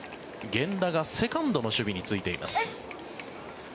源田がセカンドの守備に就いています。